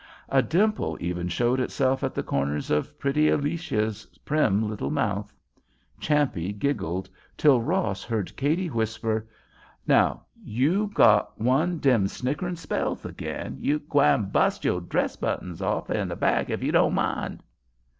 A dimple even showed itself at the corners of pretty Alicia's prim little mouth. Champe giggled, till Ross heard Cady whisper: "Now you got one dem snickerin' spells agin. You gwine bust yo' dress buttons off in the back ef you don't mind."